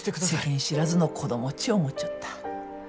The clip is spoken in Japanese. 世間知らずの子供っち思っちょった。